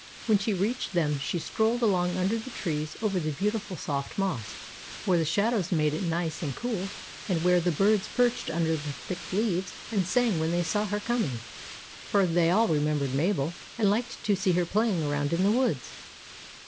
When she reached them she strolled along under the trees over the beautiful soft moss, where the shadows made it nice and cool, and where the birds perched under the thick leaves and sang when they saw her coming; for they all remembered Mabel, and liked to see her playing around in the woods.